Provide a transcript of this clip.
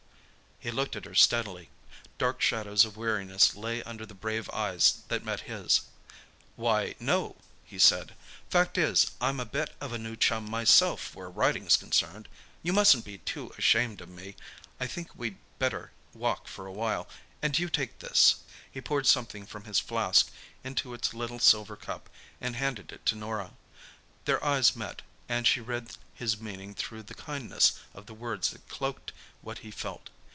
He looked at her steadily. Dark shadows of weariness lay under the brave eyes that met his. "Why, no," he said. "Fact is, I'm a bit of a new chum myself where riding's concerned—you mustn't be too ashamed of me. I think we'd better walk for a while. And you take this." He poured something from his flask into its little silver cup and handed it to Norah. Their eyes met, and she read his meaning through the kindness of the words that cloaked what he felt.